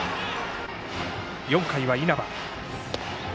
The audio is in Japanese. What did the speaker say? ４回は稲葉。